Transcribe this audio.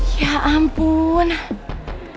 di ama arah kekil